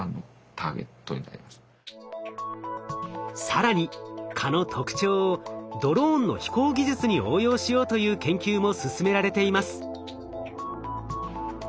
更に蚊の特徴をドローンの飛行技術に応用しようという研究も進められています。